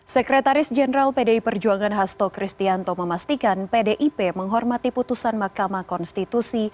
sekretaris jenderal pdi perjuangan hasto kristianto memastikan pdip menghormati putusan mahkamah konstitusi